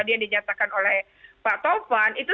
yang dinyatakan oleh pak taufan itu